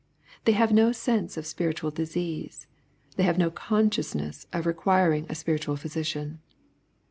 They have no sense of spiritual disease. They have no consciousness of requiring a Spiritual Physician.